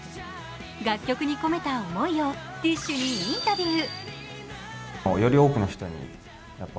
楽曲に込めた思いをＤＩＳＨ／／にインタビュー。